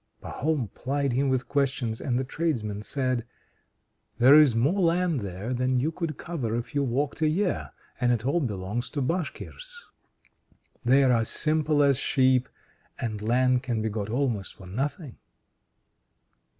Pahom plied him with questions, and the tradesman said: "There is more land there than you could cover if you walked a year, and it all belongs to the Bashkirs. They are as simple as sheep, and land can be got almost for nothing."